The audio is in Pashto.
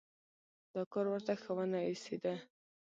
دا کار ورته شه ونه ایسېده.